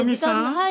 はい。